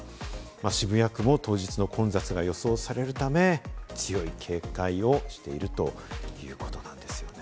渋谷区も当日の混雑が予想されるため、強い警戒をしているということなんですよね。